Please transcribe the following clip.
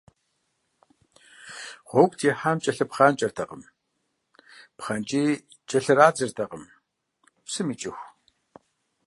Гъуэгу техьам кӏэлъыпхъанкӏэртэкъым, пхъэнкӏии кӏэлърадзыртэкъым, псым икӏыху.